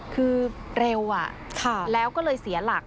คือเร็วแล้วก็เลยเสียหลัก